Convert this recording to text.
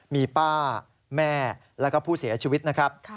มีป้าแม่แล้วก็ผู้เสียชีวิตนะครับ